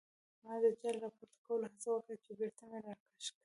ما د جال راپورته کولو هڅه وکړه چې بېرته مې راکش کړ.